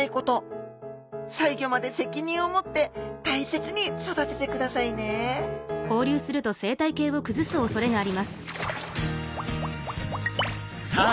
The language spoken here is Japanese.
最後まで責任を持って大切に育ててくださいねさあ